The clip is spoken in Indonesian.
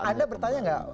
anda bertanya gak